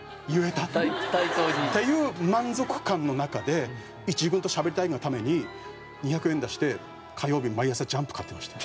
対等に？っていう満足感の中で１軍としゃべりたいがために２００円出して火曜日に毎朝『ジャンプ』買ってました。